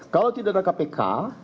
kalau tidak ada kpk